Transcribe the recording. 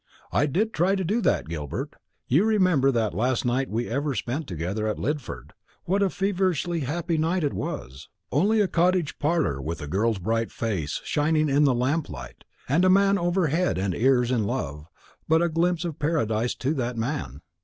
I did try to do that, Gilbert. You remember that last night we ever spent together at Lidford what a feverishly happy night it was; only a cottage parlour with a girl's bright face shining in the lamplight, and a man over head and ears in love, but a glimpse of paradise to that man.